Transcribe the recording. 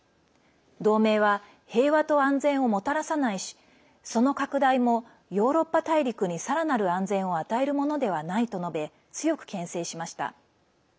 同盟は平和と安全をもたらさないしその拡大もヨーロッパ大陸にさらなる安全を与えるものではないと述べ強くけん制しました。